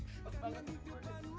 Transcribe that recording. usaha dong makanya